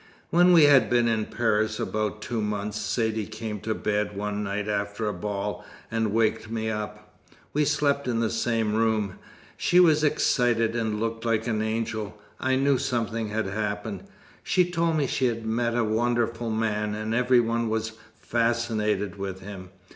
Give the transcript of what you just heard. "When we had been in Paris about two months, Saidee came to bed one night after a ball, and waked me up. We slept in the same room. She was excited and looked like an angel. I knew something had happened. She told me she'd met a wonderful man, and every one was fascinated with him.